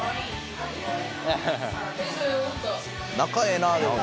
仲ええなでも。